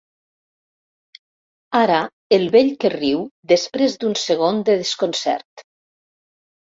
Ara el vell que riu després d'un segon de desconcert.